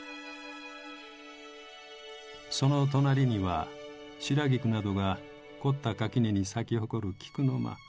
その隣には白菊などが凝った垣根に咲き誇る菊の間。